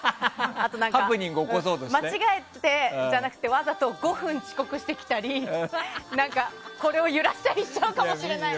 あと、間違えてじゃなくてわざと５分遅刻してきたりこれを揺らしたりしちゃうかもしれない。